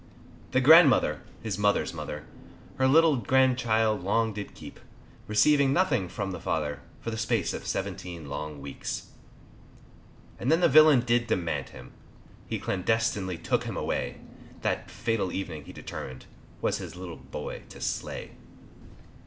The grandmother, his mother's mother, Her little grandchild long did keep, Receiving nothing from the father, For the space of seventeen long weeks, And then the villain did demand him, He clandestinely took him away, That fatal evening he determined Was his little boy to slay.